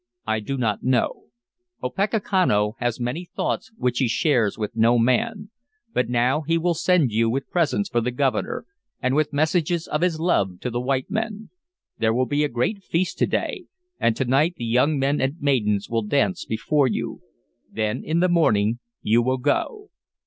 "I do not know. Opechancanough has many thoughts which he shares with no man. But now he will send you with presents for the Governor, and with messages of his love to the white men. There will be a great feast to day, and to night the young men and maidens will dance before you. Then in the morning you will go."